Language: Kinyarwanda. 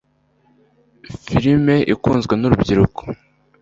filime ikunzwe nurubyiruko